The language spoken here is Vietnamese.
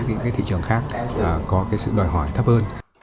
những thị trường khác có sự đòi hỏi thấp hơn